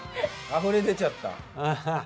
あふれ出ちゃった。